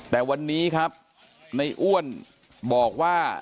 แต่วันนี้ครับในอ้วนบอกว่า